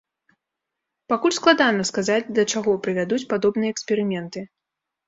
Пакуль складана сказаць, да чаго прывядуць падобныя эксперыменты.